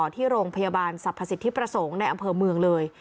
ที่โรงพยาบาลสรรพสิทธิประสงค์ในอำเภอเมืองเลย